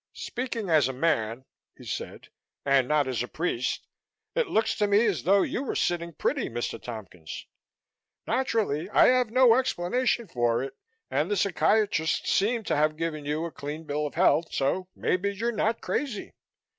"Speaking as a man," he said, "and not as a priest, it looks to me as though you were sitting pretty, Mr. Tompkins. Naturally, I have no explanation for it and the psychiatrists seem to have given you a clean bill of health, so maybe you're not crazy.